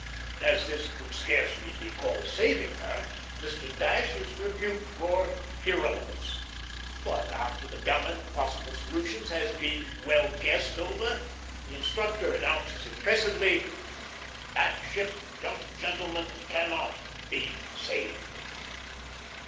As this could scarcely be called saving her, Mr. Dash is rebuked for irrelevance; but, after the gamut of possible solutions has been well guessed over, the instructor announces impressively, "That ship, young gentlemen, cannot be saved."